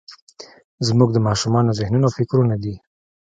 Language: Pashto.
زموږ د ماشومانو ذهنونه او فکرونه دي.